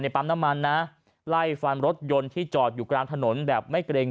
ปั๊มน้ำมันนะไล่ฟันรถยนต์ที่จอดอยู่กลางถนนแบบไม่เกรง